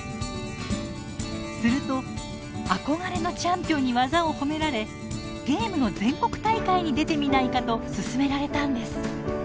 すると憧れのチャンピオンに技を褒められ「ゲームの全国大会に出てみないか」と勧められたんです。